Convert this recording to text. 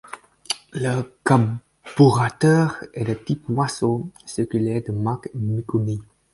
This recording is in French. Le carburateur est de type boisseau circulaire de marque Mikuni.